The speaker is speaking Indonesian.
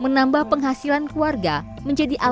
nah pas kecil tuh kecil